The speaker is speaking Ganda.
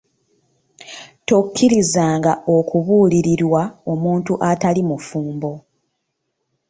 Tokkirizanga okubuulirirwa omuntu atali mufumbo.